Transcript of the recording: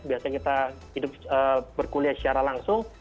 biasanya kita hidup berkuliah secara langsung